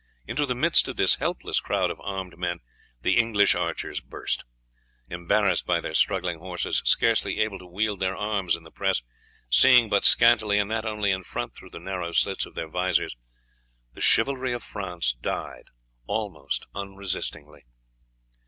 Into the midst of this helpless crowd of armed men the English archers burst. Embarrassed by their struggling horses, scarcely able to wield their arms in the press, seeing but scantily, and that only in front through the narrow slits of their vizors, the chivalry of France died almost unresistingly.